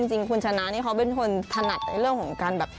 จริงคุณชนะนี่เขาเป็นคนถนัดในเรื่องของการแบบ